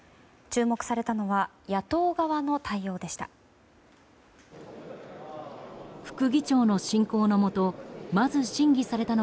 注目されたのは野党側の対応でした。